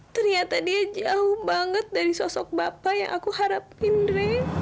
ternyata dia jauh banget dari sosok bapak yang aku harapin dri